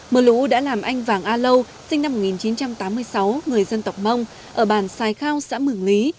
mưa lũ đã làm anh vàng a lâu sinh năm một nghìn chín trăm tám mươi sáu người dân tộc mông ở bản sài khao xã mường lý